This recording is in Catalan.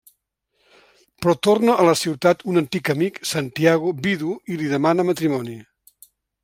Però torna a la ciutat un antic amic, Santiago, vidu, i li demana matrimoni.